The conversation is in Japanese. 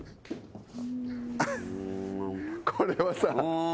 これはさ。